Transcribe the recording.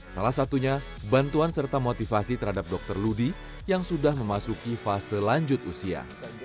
salah satunya bantuan serta motivasi terhadap dokter ludi yang sudah memasuki fase lanjut usia